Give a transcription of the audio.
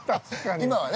◆今はね。